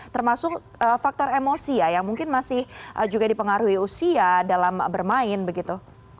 termasuk faktor emosi ya yang mungkin masih juga dipengaruhi usia dalam bermain begitu